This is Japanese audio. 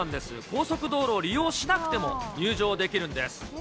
高速道路を利用しなくても、入場できるんです。